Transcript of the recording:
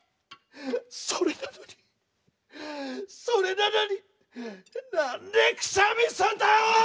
それなのにそれなのに何でくしゃみすんだよ！